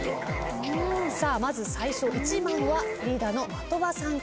まず最初１番はリーダーの的場さんからです。